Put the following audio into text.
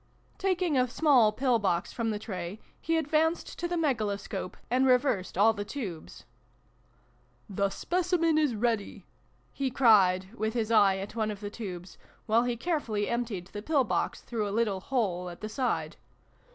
Taking a small pill box from the tray, he advanced to the Megaloscope, and reversed all the tubes. " The Specimen is ready !" he cried, with his eye at one of the tubes, while he carefully emptied the pill box through a little hole at the side.